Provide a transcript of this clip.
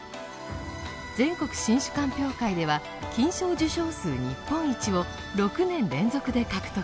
全国新酒鑑評会では金賞受賞数日本一を６年連続で獲得。